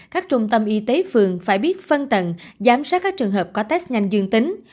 các trung tâm y tế phường phải biết phân tầng giám sát các trường hợp có test nhanh dương tính